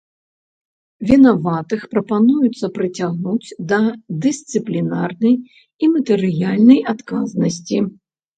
Вінаватых прапануецца прыцягнуць да дысцыплінарнай і матэрыяльнай адказнасці.